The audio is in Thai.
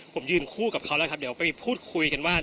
ผมยืนคู่กับเขาแล้วครับเดี๋ยวไปพูดคุยกันว่า